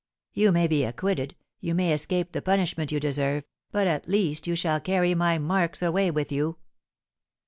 You may be acquitted, you may escape the punishment you deserve, but, at least, you shall carry my marks away with you.